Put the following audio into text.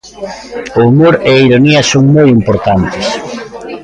O humor e a ironía son moi importantes.